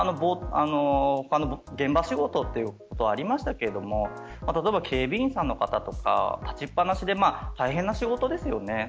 現場仕事ということがありましたけれど例えば警備員さんの方立ちっぱなしで大変な仕事ですよね。